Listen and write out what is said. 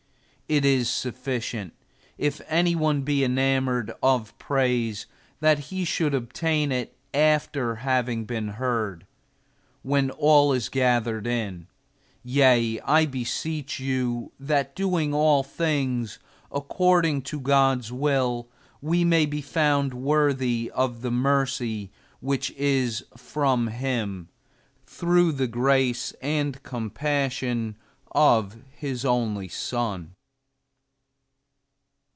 It is sufficient, if any one be enamored of praise, that he should obtain it after having been heard, when all is gathered in. Yea, I beseech you that doing all things according to God's will, we may be found worthy of the mercy which is from Him, through the grace and compassion of His only Son.